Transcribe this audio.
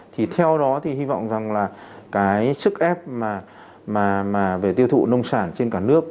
thì theo đó thì hy vọng rằng là cái sức ép mà về tiêu thụ nông sản trên cả nước